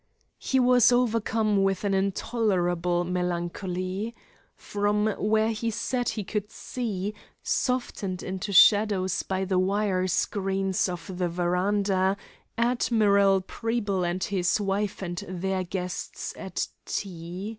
He was overcome with an intolerable melancholy. From where he sat he could see, softened into shadows by the wire screens of the veranda, Admiral Preble and his wife and their guests at tea.